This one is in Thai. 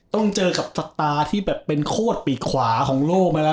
ต้องเจอกับสตาร์ที่แบบเป็นโคตรปีกขวาของโลกมาแล้ว